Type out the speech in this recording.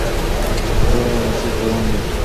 د خدای او رسول په وړاندې.